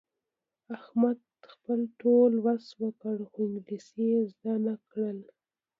احمد خپل ټول وس وکړ، خو انګلیسي یې زده نه کړله.